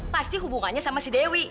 pasti hubungannya sama si dewi